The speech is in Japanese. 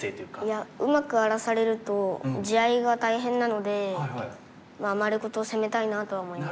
いやうまく荒らされると地合いが大変なので丸ごと攻めたいなとは思いました。